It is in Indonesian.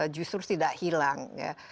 justru tidak hilang